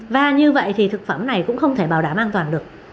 và như vậy thì thực phẩm này cũng không thể bảo đảm an toàn được